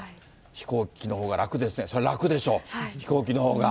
飛行機のほうが楽ですよね、そりゃ楽でしょう、飛行機のほうが。